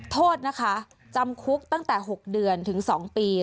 โทษนะคะจำคุกตั้งแต่๖เดือนถึง๒ปี